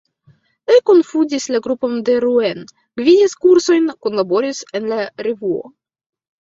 Li kunfondis la grupon de Rouen, gvidis kursojn, kunlaboris en la Revuo.